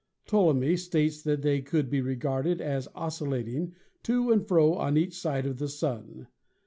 Ptolemy states that they could be regarded as oscillating to and fro on each side of the Sun.